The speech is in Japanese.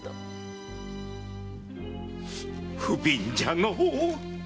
不憫じゃのう。